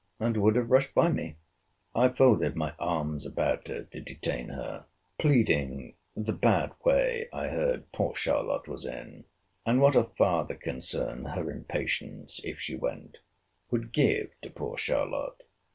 —and would have rushed by me. I folded my arms about her to detain her; pleading the bad way I heard poor Charlotte was in; and what a farther concern her impatience, if she went, would give to poor Charlotte.